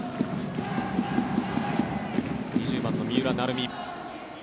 ２０番の三浦成美。